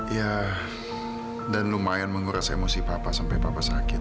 ya dan lumayan menguras emosi papa sampai papa sakit